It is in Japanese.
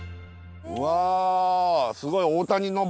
うわすごい。